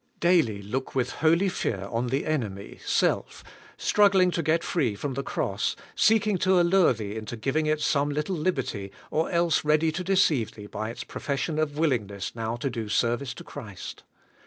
Daily look with holy fear on the enemy, self, strug gling to get free from the cross, seeking to allure thee into giving it some little liberty, or else ready to de ceive thee by its profession of willingness now to do service to Christ.